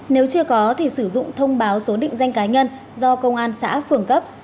nếu chưa có thì sử dụng thông báo số định danh cá nhân do công an xã phường cấp